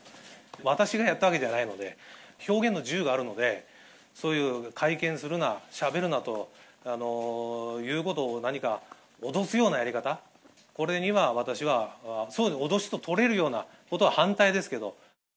私がやったわけではないので、表現の自由があるので、そういう、会見するな、しゃべるなということを、何か脅すようなやり方、これには、私は、そういうような脅しと取れるようなことは反対ですけど。